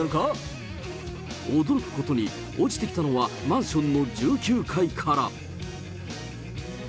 驚くことに、落ちてきたのはマンションの１９階から。